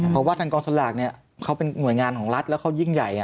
เพราะว่าทางกองสลากเขาเป็นหน่วยงานของรัฐแล้วเขายิ่งใหญ่